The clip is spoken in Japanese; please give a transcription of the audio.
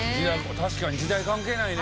確かに時代関係ないね。